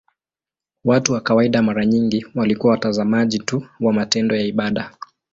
Watu wa kawaida mara nyingi walikuwa watazamaji tu wa matendo ya ibada.